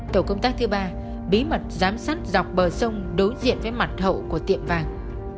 tổ công tác thứ ba bí mật giám sát dọc bờ sông đối diện với mặt hậu của tiệm vàng